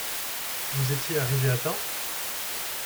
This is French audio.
Vous étiez arrivé à temps ?